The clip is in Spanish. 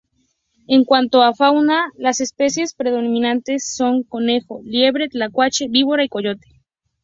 En cuanto a fauna las especies predominantes son conejo, liebre, tlacuache, víbora y coyote.